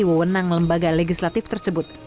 wenang lembaga legislatif tersebut